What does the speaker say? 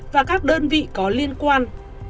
và các đơn vị có liên quan